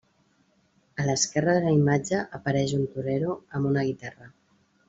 A l'esquerra de la imatge apareix un torero amb una guitarra.